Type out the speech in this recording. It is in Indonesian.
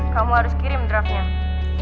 kamu harus kirim draftnya